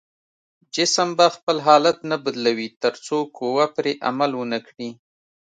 جسم به خپل حالت نه بدلوي تر څو قوه پرې عمل ونه کړي.